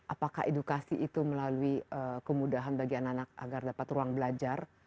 apakah edukasi itu melalui kemudahan bagi anak anak agar dapat ruang belajar